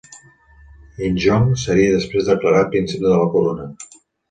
Injong seria després declarat príncep de la corona.